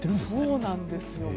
そうなんです。